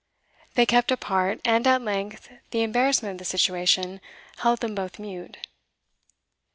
They kept apart, and at length the embarrassment of the situation held them both mute.